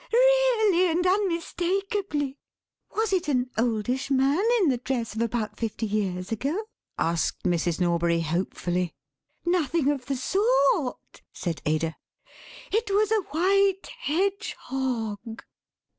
"Really and unmistakably!" "Was it an oldish man in the dress of about fifty years ago?" asked Mrs. Norbury hopefully. "Nothing of the sort," said Ada; "it was a white hedgehog."